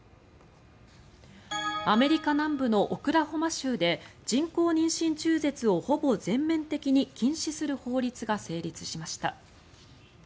アメリカ南部のオクラホマ州で人工妊娠中絶をほぼ全面的に禁止する法律が成立しました。